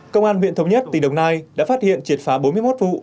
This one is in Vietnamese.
công an huyện thống nhất tỉnh đồng nai đã phát hiện triệt phá bốn mươi một vụ